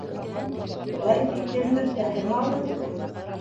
Бәлки, кемдер фәһем алыр.